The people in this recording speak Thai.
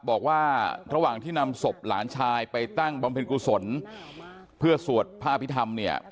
บอกว่าระหว่างที่นำศพหลานชายไปตั้งบำเพ็ญกุศลเพื่อสวดพระอภิษฐรรมเนี่ย